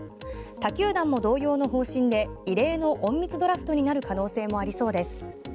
他球団も同様の方針で異例の隠密ドラフトになる可能性もありそうです。